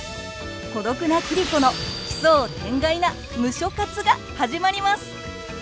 孤独な桐子の奇想天外な「ムショ活」が始まります！